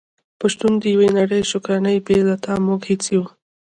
په شتون د يوه نړی شکرانې بې له تا موږ هيڅ يو ❤️